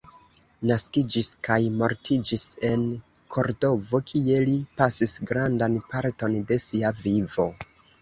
Naskiĝis kaj mortiĝis en Kordovo, kie li pasis grandan parton de sia vivo.